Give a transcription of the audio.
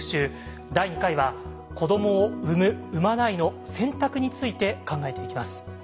第２回は「子どもを産む・産まないの選択」について考えていきます。